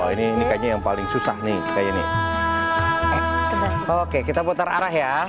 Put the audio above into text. ini kayaknya yang paling susah nih kayaknya nih oke kita putar arah ya